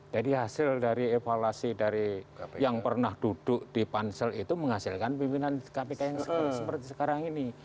jadi hasil dari evaluasi dari yang pernah duduk di pansel itu menghasilkan pimpinan kpk yang seperti sekarang ini